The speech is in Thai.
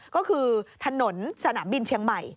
ก็คือถนนสนามบินเชียงใหม่